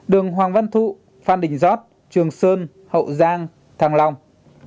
đường hoàng văn thụ phan đình giót trường sơn hậu giang thăng long